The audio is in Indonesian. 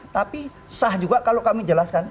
tapi sah juga kalau kami jelaskan